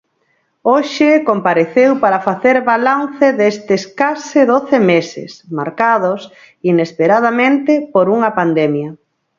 Hoxe compareceu para facer balance destes case doce meses, marcados, inesperadamente, por unha pandemia.